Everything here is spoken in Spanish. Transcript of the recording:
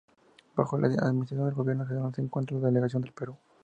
Bajo la administración del gobierno general se encuentra la delegación del Perú.